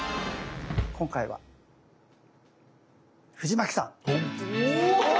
今回は藤牧さん。